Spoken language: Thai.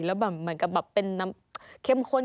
แล้วแบบเหมือนกับแบบเป็นน้ำเข้มข้น